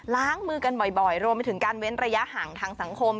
ล้างมือกันบ่อยรวมไปถึงการเว้นระยะห่างทางสังคม